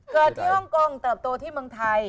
เกิดที่ห้องกงเติบตัวที่ท่ี